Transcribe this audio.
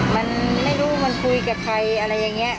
มันไม่รู้มันคุยกับใครอะไรอย่างนี้